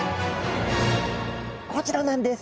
こちらなんです！